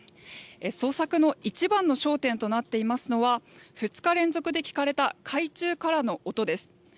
捜索の一番の焦点となっていますのは２日連続で聞かれた海中からの音です。